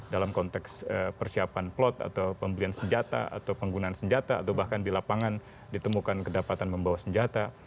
dalam konteks persiapan plot atau pembelian senjata atau penggunaan senjata atau bahkan di lapangan ditemukan kedapatan membawa senjata